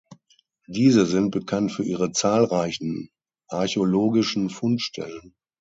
Diese sind bekannt für ihre zahlreichen archäologischen Fundstellen.